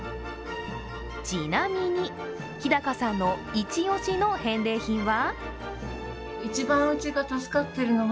ちなみに、日高さんの一押しの返礼品は？